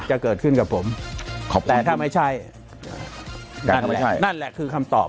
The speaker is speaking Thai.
จะเกิดขึ้นกับผมแต่ถ้าไม่ใช่นั่นแหละคือคำตอบ